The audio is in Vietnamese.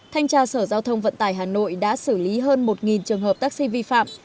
thanh tra sở giao thông vận tải hà nội đã xử lý hơn một trường hợp taxi vi phạm